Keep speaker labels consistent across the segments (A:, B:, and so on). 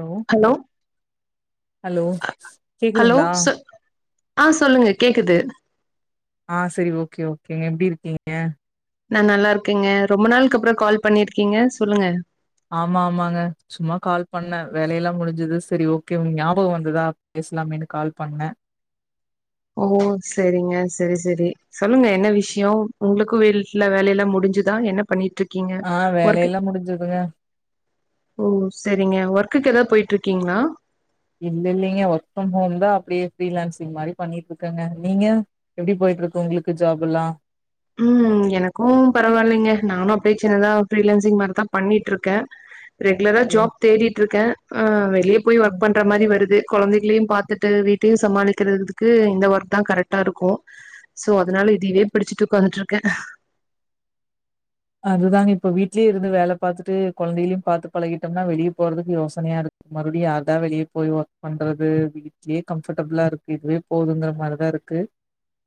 A: Hello hello
B: hello
A: கேக்குதுங்களா
B: சொ ஆ சொல்லுங்க கேக்குது
A: ஆ செரி ஓகே ஓகேங்க எப்டி இருக்கீங்க
B: நா நல்லாருக்கேங்க ரொம்ப நாள்க்கு அப்புறோ கால் பண்ணிருக்கீங்க சொல்லுங்க
A: ஆமா ஆமாங்க சும்மா கால் பண்ணே வேலயெல்லா முடிஞ்சது சரி ஓகே உங்க ஞாபகம் வந்ததா பேசலாமேன்னு கால் பண்ணே
B: ஓ செரிங்க செரி செரி சொல்லுங்க என்ன விஷயோ உங்ளுக்கு வீட்டுல வேலைலா முடிஞ்சதா என்ன பண்ணிட்டுருக் க்கீங்க
A: ஆ
B: ஒர்க்கு
A: வேலையெல்லா முடிஞ்சதுங்க
B: ஓ சரிங்க ஒர்குக்கு ஏதாவது போயிட்டுருக்கீங்ளா
A: இல்ல இல்லிங்க ஒர்க் பண்ரதா இருந்தா அப்படியே ஃப்ரீலான்சிங் மாரி பண்ணிட்டு இருக்கங்க நீங்க எப்டி போயிட்டுருக்கு உங்களுக்கு ஜாப் எல்லா
B: ம் எனக்கு பரவாயில்லைங்க நானு அப்படியே சின்னதா ஃப்ரீலான்சிங் மாரிதா பண்ணிட்டுருக்கே ரெகுலரா ஜாப் தேடிட்ருக்கே ஆ வெளிய போய் ஒர்க் பண் ணற மாரி வருது கொழந்தைகளையு பாத்துட்டு வீட்டையு சம்மாளிக்கிறதுக்கு இந்த ஒர்க் தா கரெக்டா இருக்கு சோ அதனால இதைவே பிடிச்சிட்டு உட்காந்துட்டு இருக்கே
A: அதுதாங்க இப்ப வீட்லேயே இருந்து வேல பாத்துட்டு கொழந்தைகளையு பாத்து பழகிட்டோம்னா வெளிய போறதுக்கு யோசனையாருக்கு மறுபடியு யார்தா வெளிய போய் வர்க் பண்றது இதுவே கம்ஃபர்டபிளா இருக்கு இதுவே போதுங்கற மாரிதா இருக்கு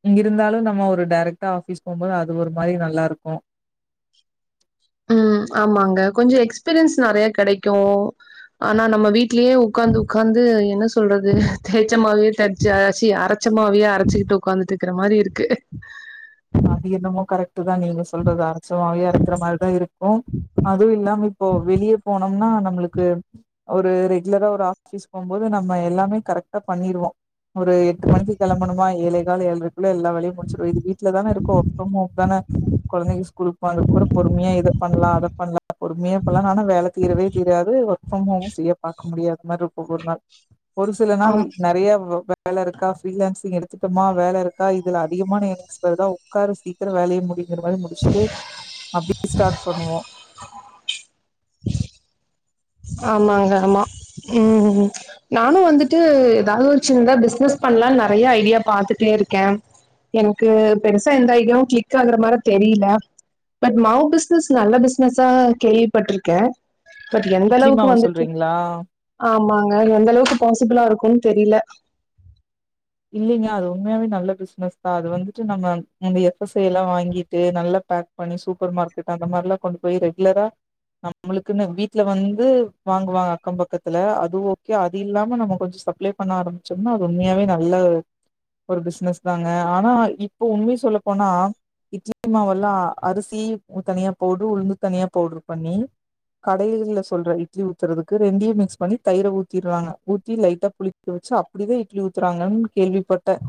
A: இங்க இருந்தாலு நம்ம ஒரு டைரக்டா ஆஃபிஸ் போம்போது அது ஒரு மாரி நல்லா இருக்கு
B: ஆ ஆமாங்க கொஞ்சு எக்ஸ்பீரியன்ஸ் நறைய கெடைக்கு ஆனா நம்ம வீட்லயே உக்காந்து உக்காந்து என்ன சொல்றது தேச்சமாவே தெச்ச சி அரைச் அரைச்ச மாவேயே அரைச்சிட்டு உக்காந்துட்டு இருக்கிற மாரி இருக்கு
A: அது யென்னமோ கரெட் டு தா நீங்க சொல்றது அரச்ச மாவையே அரைக்கிற மாரிதா இருக்கு அதுவு இல்லாம இப்போ வெளிய போனா இன்னு நம்முளுக்கு ஒரு ரெகுலரா ஒரு ஆஃபிஸ் போம்போது நம்ம எல்லாமே கரெக்டா பண்ணிருவோ ஒரு எட்டு மணிக்கு கெளம்பணுமா ஏழேகால் ஏழரைக்குள்ள எல்லா வேலையு முடிச்சுருவோ இது வீட்டு டுல தான இருக்கோ வர்க் ஃபிரம் ஓம் தான கொழந்தைங்க ஸ்கூலுக்கு போனத்துக் கப்பரோ பொறுமையா இத பண்ணலா அத பண்ணலா பொறுமையாப்பன்னு ஆனா வேல தீரவே தீராது ஒர்க் ஃப்ரம் ஹோம் செய்ய பாக்க முடியாத மாரி இருக்கு ஒவ்வொருநாள் ஒரு சில நாள்
B: ஆம்
A: நறைய வே வேலை இருக்கா ஃப்ரீலான்சிங் எடுத்துட்டமா வேலை இருக்கா இதுல அதிகமான எக்ஸ் இப்படிதா உட்காரு சீக்கிரம் வேலைய முடிங்கிற மாரி முடிச்சுட்டு அப்படியே ஸ்டார்ட் பண்ணுவோ
B: ஆமாங்க ஆமா ம் நானு வந்துட்டு ஏதாவது ஒரு சின்னதா பிசினஸ் பண்ணலானு நறைய ஐடியா பாத்துட்டே இருக்கே எனக்கு பெருசா எந்த ஐடியாவு கிளிக் ஆகுற மாரி தெரியல பட் மாவு பிஸ்னஸ் நல்ல பிஸ்னஸா கேள்விப்பட்டிருக்கே எந்த
A: இட்லி
B: அளவுக்கு
A: மாவு
B: வந்துட்டு
A: சொல்றீங்களா
B: ஆமாங்க எந்த அளவுக்கு பாசிபிளா இருக்குன்னு தெரியல
A: இல்லைங்க அது உண்மையாவே நல்ல பிசினஸ் தா அது வந்துட்டு நம்ம இந்த எஃப்எஸ்ஐ எல்லா வாங்கிட்டு நல்ல பேக் பண்ணி சூப்பர் மார்க்கெட் அந்த மாரில்லா கொண்டு போய் ரெகுலரா நம்மளுக்குன்னு வீட்ல வந்து வாங்குவாங் அக்கம் பக்கத்துல அது ஓக்கே அது இல்லாம நம்ம கொஞ்சு சப்ளே பண்ண ஆரம்பிச்சோம்னா அது உண்மையாவே நல்ல ஒரு பிசினஸ் தாங்க ஆனா இப்ப உண்மைய சொல்லப்போனா இட்லி மாவெல்லா அரிசி தனியா பவுடரு உளுந்து தனியா பவுடரு பண்ணி கடைகள்ல சொல்ற இட்லி ஊத்துறதுக்கு ரெண்டையு மிக்ஸ் பண்ணி தயிர ஊத்தி ராங்க ஊத்தி லைட்டா புளி ச்சு அப்படிவே இட்லி ஊத்துறாங்கன்னு கேள்விபட்டேஈ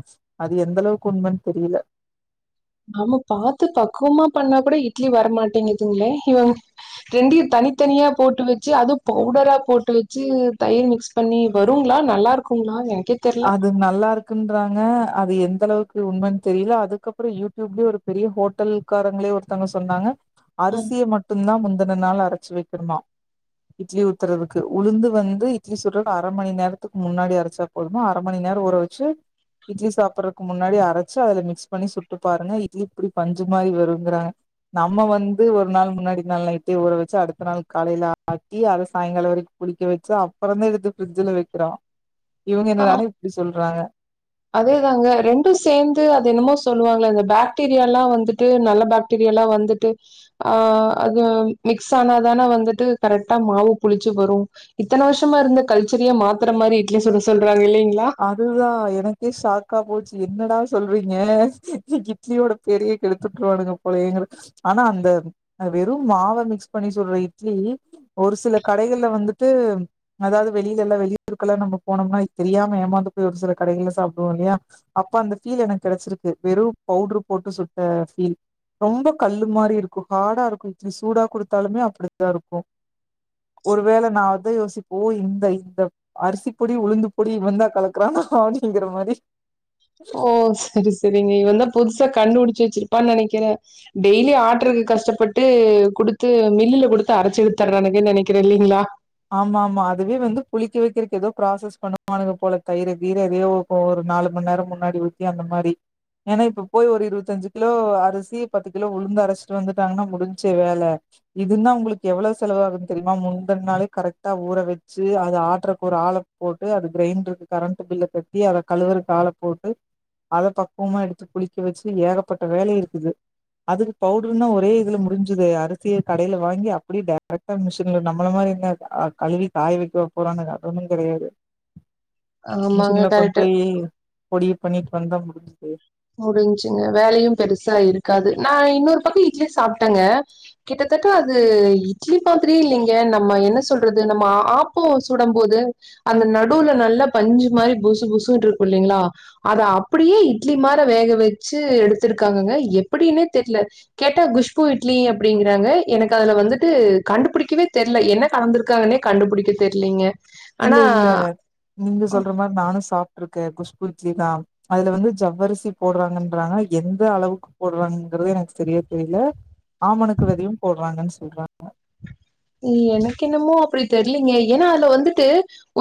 A: அது எந்த அளவுக்கு உண்மன்னு தெரியல
B: நாம பாத்து பக்குவமா பண்ணா கூட இட்லி வரமாட்டேங்குதுங்களே இவங் ரெண்டயு தனித்தனியா போட்டு வச்சு அது பவுடரா போட்டு வச்சு தயிர் மிக்ஸ் பண்ணி வருங்களா நல்லா இருக்குங்ளா எனக்கே தெர்ல.
A: அது நல்லா இருக் கின்றாங்க அது எந்த அளவுக்கு உண்மைன்னு தெரியல அதுக்கப்புறோ யூடியூப்ல ஒரு பெரிய ஹோட்டல் உக்காரங்ளே ஒருத்தவங்க சொன்னாங்க
B: ம்
A: அரிசிய மட்டுன்தா முந்தின நாள் அரச்சி வெக்கணுமா இட்லி ஊத்துறதுக்கு உளுந்து வந்து இட்லி சுடர் அர மணி நேரத்துக்கு முன்னாடியே அரச்சாப் போதுமா அர மணி நேரு ஊரவச்சு இட்லி சாப்புறக்கு முன்னாடி அரச்சு அதுல மிக்ஸ் பண்ணி சுட்டு பாருங்க இட்லி இப்டி பஞ்சு மாரி வருங்கிறாங் நம்ம வந்து ஒரு நாள் முன்னாடி நாள் நைட்டே ஊற வச்சு அடுத்த நாள் காலைல ஆக்கி அத சாய்ங்கால வரைக் புளிக்க வெச்சு அப்பறந்தா எதுத்து ஃப்ரிட்ஜ்ஜுல வெக்றோ இவுங்க
B: ஆ
A: என்னடானய் இப்டி சொல்றாங்க
B: அதேதாங்க ரெண்டு சேந்து அது என்னமோ சொல்லுவாங்ள அந்த பாக்டீரியாலா வந்துட்டு நல்ல பாக் தெரியல்லா வந்துட்டு ஆ அத்தாம் மிக்ஸ் ஆனாதான வந்துட்டு கரட்டா மாவு புளிச்சு வரு இத்தன வர்ஷமா இர்ந்து கல்ச்சரயே மாத்தர மாரி இட்லி சுட சொல்றாங்க இல்லிங்ளா
A: அதுதா எனக்கே ஷாக்கா போச்சி என்னடா சொல்றீங்க இட்லியோடுப் பெரியி கெடுத் உட்ருவானுங்கபோலயே எங்களு ஆனா அந்தம் அ வெறு மாவ மிக்ஸ் பண்ணி சுட்ற இட்லி ஒரு சில கடைகல்ல வந்துட்டு உம் அதாவ்து வெளிலல்லா வெளிய் ருக்கல்லா நம்ம போனோம்னாய் தெரியாம் ஏமாந்து போய் ஒரு சில கடைகல சாப்டுவோ இல்லியா அப்ப அந்த ஃபீல் எனக் கெடச்சிருக்கு வெறு பவுட்ரு போட்டு சுட்ட ஃபீல் ரொம்ப கல்லு மாரி இருக்கு ஹாடா இருக்கு இட்லி சூடா குடுத்தாலுமே அப்படித்தா இருக்கு ஒரு வேள நா அதை யோசிப்போ ஓ இந்த இந்தவ் அரிசி பொடி உளுந்து பொல் தி இவன்தா கலக்குறானா அப்டிங்கிற மாரி
B: ஓ செரி செரிங்க இவந்தா புதுசா கண்டுபுடிச்சு வச்சிருப்பா நெனக்கிற டெய்லி ஆட்றுக்கு கஷ்டப்பட்டு குடுத்து மில்லுல குடுத்து அரச்சு வித்தரானுங்க நெனைக்கிறே இல்லிங்ளா
A: ஆமாமா அதுவே வந்து புளிக்க வெக்றக்கு ஏதோ ப்ராசஸ் பண்ண வானுங்க போல கய்று கீறு எதையோ ஓ ஒரு நாலு மண் நேரோ முன்னாடி ஊத்தி அந்த மாரி ஏன்னா இப்ப போய் ஒரு இருவத்தஞ்சி கிலோ அரிசி பத்து கிலோ உளுந்து அரச்ட்டு வந்துட்டாங்கன்னா முடின்ச்சே வேல இது நா உங்ளுக்கு எவ்வளவு செலவாகுன் தெரியுமா முந்தன் நாளே கரக்டா ஊற வெச்சு அத ஆட்றக் ஒரு ஆள போட்டு அது க்ரைண்ட்ருக்கு கரண்ட்டு பில்ல கெட் தி அத கழுவுறக் ஆல போட்டு அத பக்குமா எடுத்து புளிக்க வச்சி ஏகப்பட்ட வேல இருக்குது அதுக்கு பவ்ட்ருனா ஒரே இதுல முடிஞ்சுதே அரிசிய கடைய்ல வாங்கி அப்டியே டைரக்டா மிசின்ல நம்மள மாரில அ கழுவி காய வெக்கவா போறாங்க அது ஒன்னு கெடயாது
B: ஆமாங்க
A: மிஷின்ல கொண்
B: கரெக்ட்டு.
A: போயி பொடிய பண்ணிட் வந்தா முடிஞ்சுது
B: முடின்ச்சுங்க வேலையும் பெருசா இருக்காது நா இன்னொர் பக்கு இட்லி சாப்டங்க கிட்டதட்ட அது இட்லி மாத்ரியே இல்லிங்க நம்ம என்ன சொல்றது நம்ம ஆப்போ சுடம் போது அந்த நடூல நல்லா பஞ்சு மாரி புசு புசுன்ருக்குல்லிங்ளா அது அப்படியே இட்ல் இட்லி மார வேக வெச்சு எடுத்துருக்காங்கங்க எப்படின்னே தெர்ல கேட்டா குஷ்பு இட்லி அப்டிங்கறாங்க எனக் அதல வந்துட்டு கண்டுபிடிக்கவே தெரில என்ன கலந்துருக்காங்கன்னே கண்டுபுடிக்க தெர்லீங்க
A: இல்ல
B: ஆனா
A: இல்ல நீங்க சொல்ற மார் நானு சாப்ட்ருக்கே குஷ்பு இட்லிதா அதுல வந்து ஜவ்வருசி போட்றாங்கன்றாங்க எந்த அளவுக்கு போட்றாங்கங்கறதே எனக் சரியா தெரில ஆமனுக்கு வெதையு போட்றாங்கன் சொல்றா
B: எனக்கு என்னமோ அப்டி தெர்லிங்கே ஏனா அதுல வந்துட்டு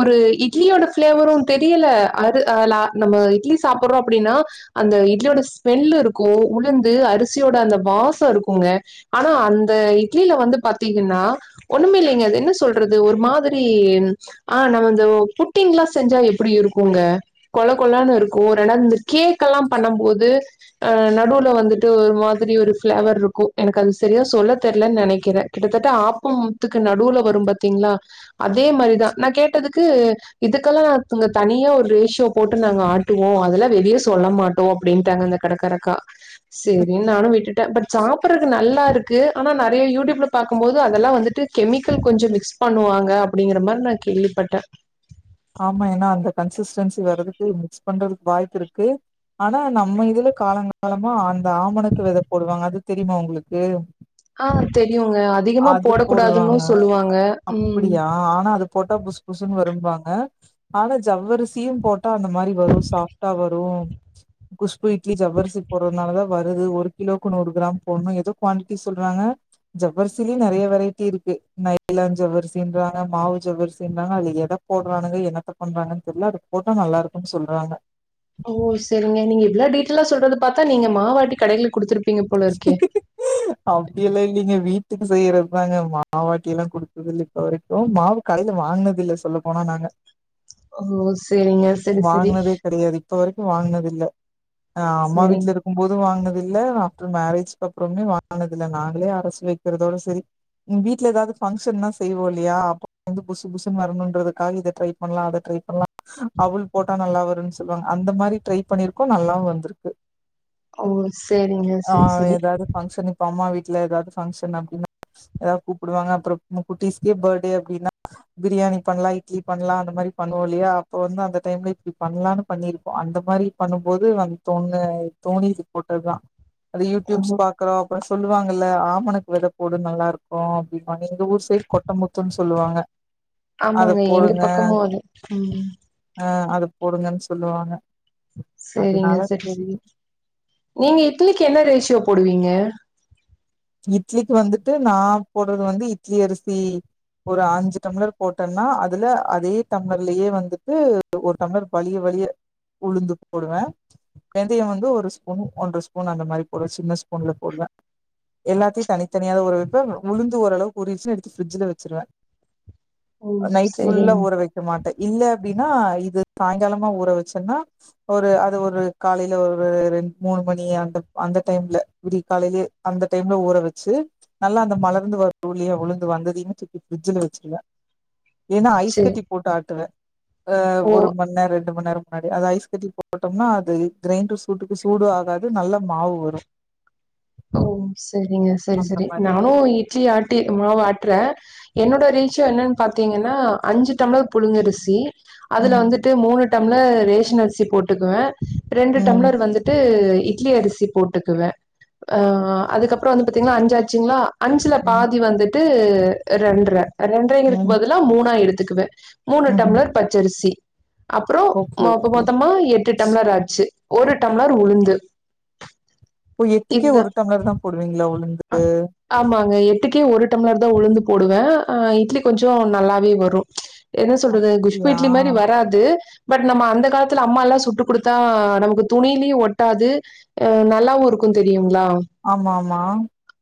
B: ஒரு இட்லியோட ஃப்லேவரு தெரியல அது அ லா நம்ம இட்லி சாப்பறோ அப்படின்னா அந்த இட்லியோட ஸ்மெல்லு இருக்கு உளுந்து அரிசியோட அந்த வாசோ இருக்குங்க ஆனா அந்த இட்லில வந்து பாத்தீங்கின்னா ஒண்ணுமே இல்லங்க அது என்ன சொல்றது ஒரு மாதிரி இன் ஆ நம்ம இந்த புட்டிங்லா செஞ்சா எப்டி இருக்குங்க கொழ கொழன்னு இருக்கு ரெணந்து கேக் எல்லா பண்ண போது அ நடுவுல வந்துட்டு ஒரு மாதிரி ஒரு ப்ளேவர் இருக்கு எனக்கு அது செரியா சொல்ல தெர்லன் நெனைக்கிற கிட்டத்தட்ட ஆப் ப் முத்துக்கு நடுவுல வரு பாத்தீங்ளா அதே மாரிதா நா கேட்டதுக்கு இதுக்கெல்லா நாங்க தனியா ஒரு ரேசியோ போட்டு நாங்க ஆட்டுவோ அதெல்லா வெளிய சொல்ல மாட்டோ அப்டின்ட்டாங்கங்க கடகரக்கா சரின். நானு விட்டுட்ட பட் சாப்படறக்கு நல்லாருக்கு ஆனா நெறய யூடியூப்ல பாக்கும்போது அது அதெல்லா வந்துட்டு கெமிக்கல் கொஞ்சோ மிக்ஸ் பண்ணுவாங்க அப்படிங்கற மாரி நா கேள்விப்பட்ட
A: ஆமா ஏன்னா அந்த கன்சிஸ்டன்சி வர்றக்கு மிக்ஸ் பண்றதுக்கு வாய்ப்பு இருக்கு ஆனா நம்ம இதுல காலங்காலமா அந்த ஆமனுக்கு வெத போடுவாங்க அது தெரியுமா உங்களுக்கு
B: ஆ தெரியுங்க அதிகமா
A: அது
B: போடக்கூடாதுன்னு
A: போடுவாங்க
B: சொல்லுவாங்க ம்
A: அப்டியா ஆனா அது போட்டா புசு புசுனு வரும்பாங்க ஆ ஆனா ஜவ்வரிசியு போட்டா அந்த மாரி வரும் சாஃப்டா வரு குஷ்பு இட்லி ஜவ்வரிசி போடுறதுனாலதா வருது ஒரு கிலோக்கு நூறு கிராம் போட்ணு எதோ குவான்டிட்டி சொல்றாங்க ஜவ்வர்சிலயு நெறய வெரைட்டி இருக்கு நைலான் ஜவ்வர்சின்றாங்க மாவு ஜவ்வர்சின்றாங்க அதுல எத போடுறானுங்க என்னத்த பன்றாங்கன் தெர்ல அது போட்டா நல்லா இருக்குன் சொல்றாங்க
B: ஓ சரிங்க நீங்க இவ்ளோ டீடெய்ல்லா சொல்றத பாத்தா நீங்க மாவட்டி கடைல குடுத்துருப்
A: அப்டி எல்லா இல்லைங்க வீட்டுக்கு செய்யறது தாங்க மாவாட்டில்லா குடுத்தது இல்ல இப்ப வரைக்கு மாவு கடைல வாங்குனது இல்ல சொல்ல போனா நாங்க
B: ஓ செரிங்க செரி செரி
A: வாங்குனதே கெடையாது இப்ப வரைக்கு வாங்குனது இல்ல அம்மா
B: சரிங்க.
A: வீட்ல இருக்கு போது வாங்கினதில்ல மேரேஜ்க் அப்பறமே வாங்னதில்ல நாங்களே அரச்சு வைக்கிறதோட செரி வீட்ல எதாவது பங்க்ஷன்னா செய்வோ இல்லயா அப்ப வந்து புசு புசுனு வரனுன்றதுக்காக இத ட்ரை பண்லா அத ட்ரை பண்லா அவல் போட்டா நல்லா வருன் சொல்லுவாங்க அந்த மாரி ட்ரை பண்ணிருக்கோ நல்லாவு வந்திருக்கு
B: அவ்வல் செரிங்க
A: ஆ எதாவது ஃபங்க்ஷன் இப்ப அம்மா வீட்ல எதாவது பங்க்ஷன் அப்டின்னா எதாவது கூப்டுவாங்க அப்ற குட்டிஸ்கே பர்டே அப்டின்னா பிரியாணி பண்லா இட்லி பண்லா அந்த மாரி பண்ணுவோ இல்லயா அப்ப வந்து அந்த டைம்ல இப்டி பண்லானு பண்ணிருப்போ அந்த மாரி பண்ணுபோது வந்து தோணு தோணி இது போட்டதுதா அது
B: ஓ!
A: யூடியூப்ஸ் பாக்றோ அப்ற சொல்லுவாங்கல ஆமனுக்கு வெத போடு நல்லாருக்கு அப்டிபாங்க எங்க ஊர் பேரு கொட்டமுத்துன் சொல்லுவாங்க அத
B: ஆமாங்க. எங்க
A: போடுங்க
B: பக்கமும் அது. ம்.
A: ஆ அத போடுங்கன் சொல்லுவாங்க
B: செரிங்க
A: அதனால
B: செரி
A: சரி
B: செரி நீங்க இட்லிக்கு என்ன ரேஷியோ போடுவீங்க
A: இட்லிக்கு வந்துட்டு நா போட்றது வந்து இட்லி அரிசி ஒரு அஞ்சு டம்ளர் போட்டன்னா அதுல அதே டம்ளர்லயே வந்துட்டு ஒரு டம்ளர் வழிய வழிய உளுந்து போடுவ வெந்தய வந்து ஒரு ஸ்பூன் ஒன்ற ஸ்பூன் அந்த மாரி போடுவ சின்ன ஸ்பூன்ல போடுவ எல்லாத்தையு தனிதனியாதா ஊற வைப்ப உளுந்து ஓரளவுக்கு ஊறிடுச்சுனா எடுத்து ஃபிரிட்ஜில வச்சிருவ
B: ஓ!
A: நைட் ஃபுல்லா
B: சரிங்க.
A: ஊற வைக் க மாட்ட இல்ல அப்டினா இது சாயங்காலமா ஊற வச்சன்னா ஒரு அது ஒரு காலைல ஒரு ரெண்டு மூணு மணி அந்த அந்த டைம்ல விடிகாலைலயே அந்த டைம்ல ஊற வச்சு நல்லா அந்த மலர்ந்து வரு இல்லயா உழுந்து வந்ததுமே தூக்கி ஃப்ரிட்ஜில வச்சுருவ ஏனா ஐஸ்
B: சரி.
A: கட்டி போட்டு ஆட்டுவே அ
B: ஓ!
A: ஒரு மண் நேர ரெண்டு மண்நேர முன்னாடி அது ஐஸ் கட்டி போட்டோம்னா அது கிரைண்டர் சூட்டுக்கு சூடு ஆகாது நல்ல மாவு வரு
B: ஓ சரிங்க சரி
A: அந்த
B: சரி
A: மாரி
B: நானு இட்லி ஆட்டி மாவு ஆட்றே என்னோட ரேசியோ என்னன்னு பாத்தீங்கன்னா அஞ்சு டம்ளர் புழுங்கரிசி அதுல
A: ம்
B: வந்துட்டு மூணு டம்ளர் ரேஷன் அரிசி போட்டுக்குவே ரெண்டு
A: ம்
B: டம்ளர் வந்து ட்டு இட்லி அரிசி போட்டுக்குவே ஆ அதுக்கப்றோ வந்து பாத்தீங்கன்னா அஞ்சாச்சுங்களா அஞ்சுல
A: ம்
B: பாதி வந்து ட்டு ரெண்ட்ரை ரெண்ட்ரைங்குறக்கு
A: ம்
B: பதிலா மூணா எடுத்துக்குவே மூணு
A: ம்ஹும்
B: டம்ளர் பச் சரிசி அப்றோ
A: ஓகே
B: மொத்த
A: ஓகே
B: மொத்தமா எட்டு டம்ளர் ஆச்சு ஒரு டம்ளர் உளுந்து
A: ஓ எட்டுக்கே
B: இதுதா
A: ஒரு டம்ளர் தா போடுவீங்களா உளுந்து
B: ஆ ஆமாங்க எட்டுக்கே ஒரு டம்ளர் தா உளுந்து போடுவே ஆ இட்லி கொஞ்சோ நல்லாவே வரு என்ன சொல்றது குஷ்பு
A: அப்டியா
B: இட்லி மாரி வராது பட் நம்ம அந்த காலத்துல அம்மாலா சுட்டு குடுத்தா நமக்கு துணிலயு ஒட்டாது அ நல்லாவு இருக்கு தெரியுங்ளா
A: ஆமா ஆமா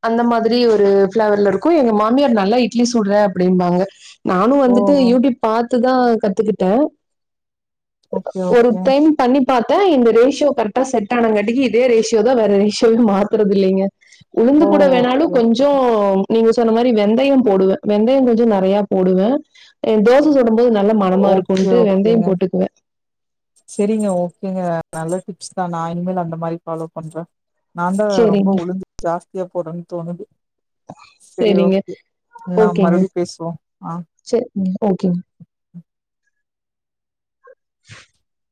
B: அந்த மாதிரி ஒரு பிளவர்ல இருக்கு எங்க மாமியார் நல்லா இட்லி சுட்ற அப்டிம்பாங்க நானு
A: ஓ
B: வந்துட்டு யூடியூப் பாத்துதா கத்துக்கிட்டே
A: ஓகே
B: ஒரு
A: ஓகே
B: டென் பண்ணி பாத்தே இந்த ரேஷியோ கரெக்டா செட் ஆனங்காட்டிக்கு இதே ரேஷியோ தா வேற ரேஷியோவே மாத்துறது இல்லைங்க உளுந்து
A: ஓ
B: கூட வேணாலு
A: ஓகே ஓகே
B: கொஞ்சோ நீங்க சொன்ன மாரி வெந்தயோ போடுவே வெந்தயோ கொஞ்சோ நெறயா போடுவே என் தோச சுடும் போது நல்ல மணமா
A: ஓகே
B: இருக்குன்ட்டு வெந்தயோ
A: ஓகேங்க
B: போட்டுக்குவே
A: செரிங்க ஓகேங்க நல்ல டிப்ஸ் தா நா இனிமேல் அந்த மாரி ஃபாலோ பண்றே நான் தா ரொம்ப
B: சேரிங்க
A: உளுந்து ஜாஸ்தியா போடுறேன் தோணுது செரி
B: சேரிங்க
A: ஓகே நா மறுபடி பேசுவோ ஆ
B: செரிங்க ஓகேங்க [inaudible]